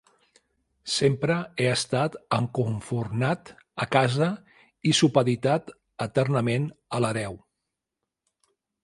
Sempre he estat encofurnat a casa i supeditat eternament a l'hereu.